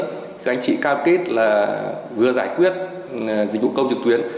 các anh chị cam kết là vừa giải quyết dịch vụ công trực tuyến